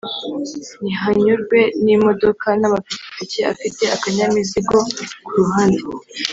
Ntihanyurwa n'imodoka n'amapikipiki afite akanyamizigo ku ruhande